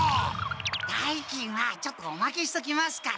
代金はちょっとおまけしときますから。